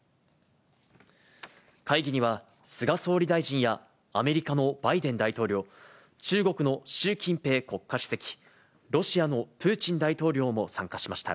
会議には、菅総理大臣や、アメリカのバイデン大統領、中国の習近平国家主席、ロシアのプーチン大統領も参加しました。